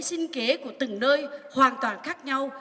sinh kế của từng nơi hoàn toàn khác nhau